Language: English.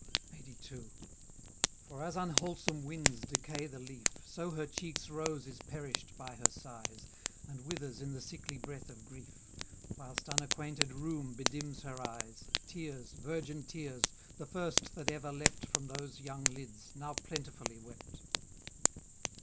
LXXXII. For as unwholesome winds decay the leaf, So her cheeks' rose is perish'd by her sighs, And withers in the sickly breath of grief; Whilst unacquainted rheum bedims her eyes, Tears, virgin tears, the first that ever leapt From those young lids, now plentifully wept.